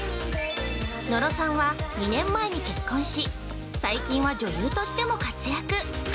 野呂さんは、２年前に結婚し最近は女優としても活躍。